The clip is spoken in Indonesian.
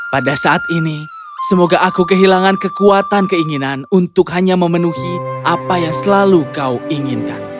pada saat ini semoga aku kehilangan kekuatan keinginan untuk hanya memenuhi apa yang selalu kau inginkan